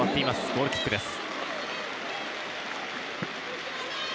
ゴールキックです。